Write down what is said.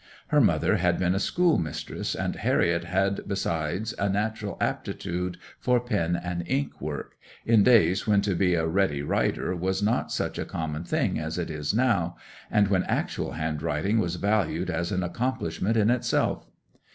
Her mother had been a school mistress, and Harriet had besides a natural aptitude for pen and ink work, in days when to be a ready writer was not such a common thing as it is now, and when actual handwriting was valued as an accomplishment in itself.